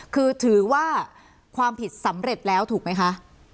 คือถือว่าความผิดสำเร็จแล้วถูกไหมคะ